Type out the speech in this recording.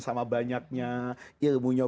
sama banyaknya ilmunya